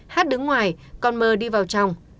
hát đứng ngoài còn mơ đi vào trong